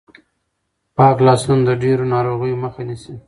پاک لاسونه د ډېرو ناروغیو مخه نیسي.